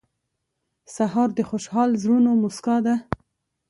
سهار د خوشحال زړونو موسکا ده.